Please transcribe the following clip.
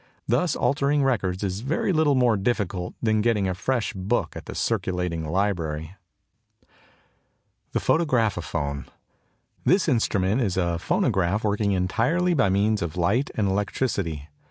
Thus altering records is very little more difficult than getting a fresh book at the circulating library. THE PHOTOGRAPHOPHONE. This instrument is a phonograph working entirely by means of light and electricity.